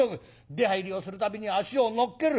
出はいりをする度に足を乗っける。